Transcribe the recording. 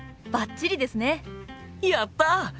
やった！